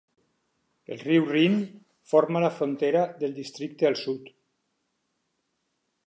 El riu Rin forma la frontera del districte al sud.